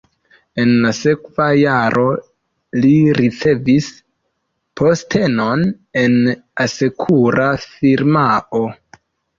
En la sekva jaro li ricevis postenon en asekura firmao.